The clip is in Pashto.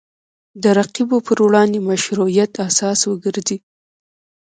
د رقیبو پر وړاندې مشروعیت اساس وګرځي